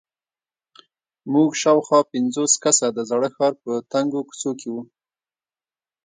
موږ شاوخوا پنځوس کسه د زاړه ښار په تنګو کوڅو کې وو.